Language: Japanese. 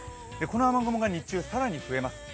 この雨雲が日中更に増えます。